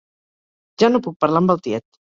Ja no puc parlar amb el tiet.